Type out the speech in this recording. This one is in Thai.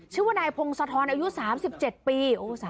ชื่อว่านายพงศธรอายุ๓๗ปี